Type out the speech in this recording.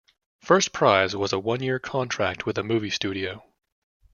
First prize was a one-year contract with a movie studio.